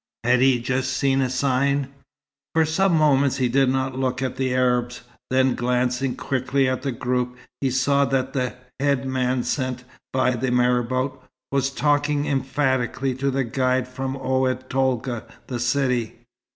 Had he just seen a sign? For some moments he did not look at the Arabs. Then, glancing quickly at the group, he saw that the head man sent by the marabout was talking emphatically to the guide from Oued Tolga, the city.